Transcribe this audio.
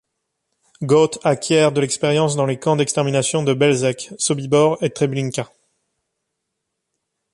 Göth acquiert de l'expérience dans les camps d'extermination de Bełżec, Sobibor et Treblinka.